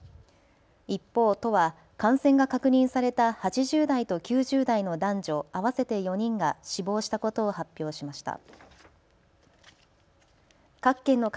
一方、都は感染が確認された８０代と９０代の男女合わせて４人が死亡したことを発表しました。